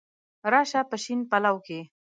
را شه په شین پلو کي